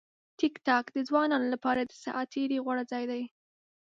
ټیکټاک د ځوانانو لپاره د ساعت تېري غوره ځای دی.